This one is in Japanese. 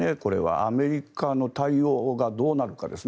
アメリカの対応がどうなるかですね。